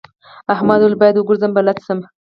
احمد وويل: باید وګرځم بلد شم.